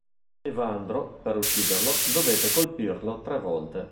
Evandro, per ucciderlo, dovette colpirlo tre volte.